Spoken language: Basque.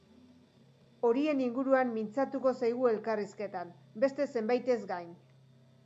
Horien inguruan mintzatuko zaigu elkarrizketan, beste zenbaitez gain.